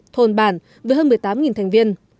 thôn bản với hơn một mươi tám thành viên